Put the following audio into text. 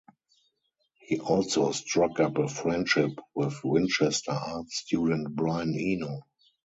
He also struck up a friendship with Winchester art student Brian Eno.